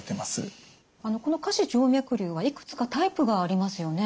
この下肢静脈瘤はいくつかタイプがありますよね。